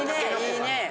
いいねえ。